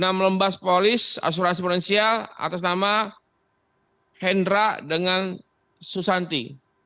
enam lembas polis asuransi forensial atas nama hendra dengan susanti